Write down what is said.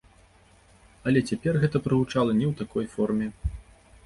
Але цяпер гэта прагучала не ў такой форме.